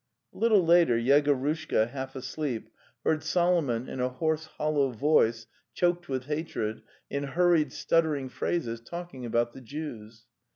" A little later Yegorushka, half asleep, heard Solo The Steppe 203 mon in a hoarse hollow voice choked with hatred, in hurried stuttering phrases, talking about the Jews.